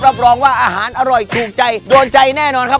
รับรองว่าอาหารอร่อยถูกใจโดนใจแน่นอนครับ